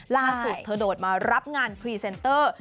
ล่าสุดเธอโดดมารับงานพรีเซนเตอร์